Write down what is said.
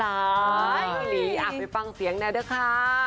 สำหรับรียินออกไปเพิ่งเสียงแล้วค่ะ